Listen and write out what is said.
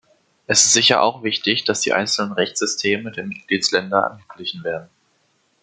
Es ist sicher auch wichtig, dass die einzelnen Rechtssysteme der Mitgliedsländer angeglichen werden.